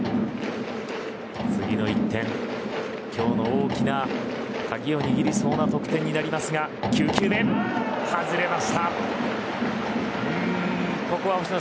次の１点今日の大きな鍵を握りそうな得点になりますが９球目外れました。